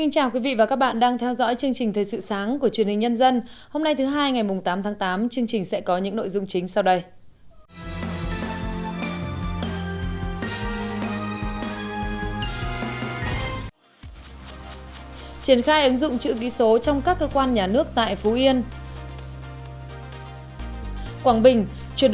các bạn hãy đăng ký kênh để ủng hộ kênh của chúng mình nhé